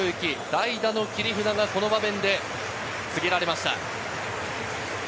代打の切り札がこの場面で告げられました。